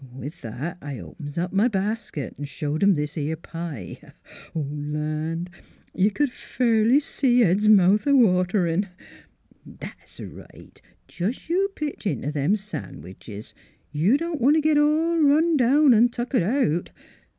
With that I opens up my basket 'n' showed him this 'ere pie. Land! You c'd fairly see Ed's mouth waterin'. ... That's right! jes' you pitch int' them sandwiches. Y' don't want t' git all run down an' tuckered out.